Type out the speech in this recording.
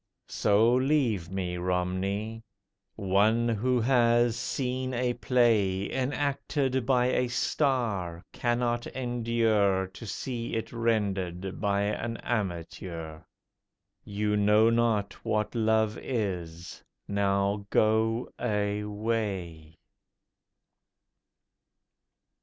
So leave me, Romney. One who has seen a play Enacted by a star cannot endure To see it rendered by an amateur. You know not what Love is—now go away!